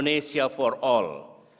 dan saya akan soroti tiga perintah